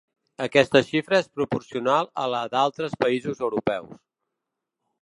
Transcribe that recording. Aquesta xifra és proporcional a la d’altres països europeus.